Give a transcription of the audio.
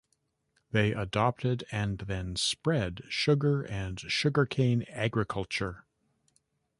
They adopted and then spread sugar and sugarcane agriculture.